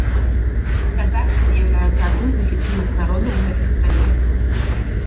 Казахі з'яўляюцца адным з афіцыйных народаў гэтых краін.